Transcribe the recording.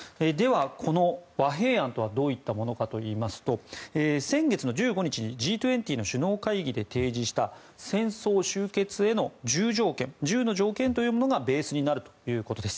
この和平案とはどういったものかといいますと先月１５日Ｇ２０の首脳会議で提示した戦争終結への１０の条件というものがベースになるということです。